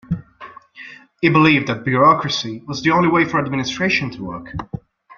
He believed that bureaucracy was the only way for administration to work.